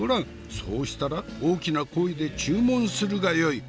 そうしたら大きな声で注文するがよい。